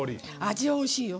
味はおいしいよ。